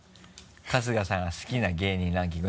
春日さんは好きな芸人ランキング